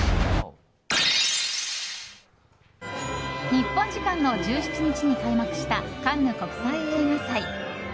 日本時間の１７日に開幕したカンヌ国際映画祭。